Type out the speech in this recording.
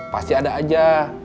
pasti ada aja